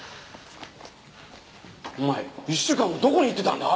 お前１週間もどこに行ってたんだ！？